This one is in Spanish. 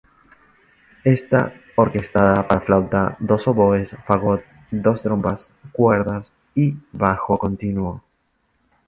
Está orquestada para flauta, dos oboes, fagot, dos trompas, cuerdas y bajo continuo.